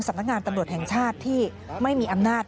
สำนักงานตำรวจแห่งชาติที่ไม่มีอำนาจ